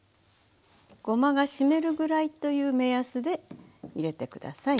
ごまが湿るぐらいという目安で入れて下さい。